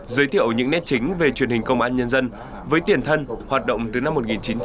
giới thiệu những nét chính về truyền hình công an nhân dân với tiền thân hoạt động từ năm một nghìn chín trăm bảy mươi